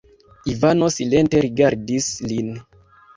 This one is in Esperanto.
Ivano silente rigardis lin.